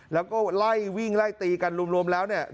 แล้วก็ไล่วิ่งไล่ตีกันรวมแล้วเนี่ย